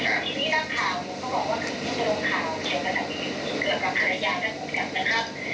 ทีนี้นับข่าวกูก็บอกว่าทีนี้นับข่าวเกือบกับภรรยากับผมกันนะครับ